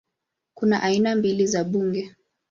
Kuna aina mbili za bunge